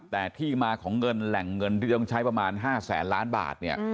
แต่ที่มาของเงินแหล่งเงินที่ต้องใช้ประมาณ๕แสนล้านบาทเนี่ย